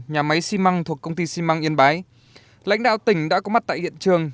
nhà máy xi măng thuộc công ty xi măng yên bái lãnh đạo tỉnh đã có mặt tại hiện trường